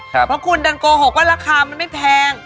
เพราะคุณดันโกหกว่าราคามันไม่แพง